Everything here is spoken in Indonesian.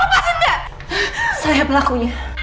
bukan saya pelakunya